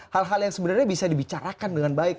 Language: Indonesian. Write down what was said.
hal hal yang sebenarnya bisa dibicarakan dengan baik